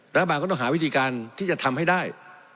รัฐบาลก็ต้องหาวิธีการที่จะทำให้ได้